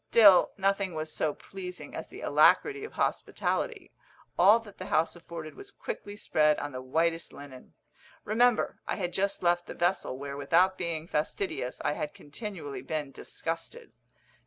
Still nothing was so pleasing as the alacrity of hospitality all that the house afforded was quickly spread on the whitest linen. Remember, I had just left the vessel, where, without being fastidious, I had continually been disgusted.